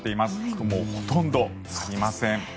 雲もほとんどありません。